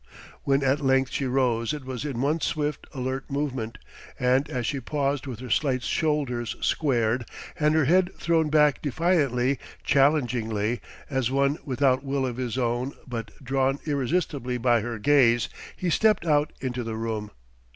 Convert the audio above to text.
When at length she rose it was in one swift, alert movement. And as she paused with her slight shoulders squared and her head thrown back defiantly, challengingly, as one without will of his own but drawn irresistibly by her gaze, he stepped out into the room.